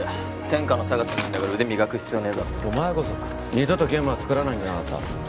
天下のＳＡＧＡＳにいんだから腕磨く必要ねえだろお前こそ二度とゲームは作らないんじゃなかった？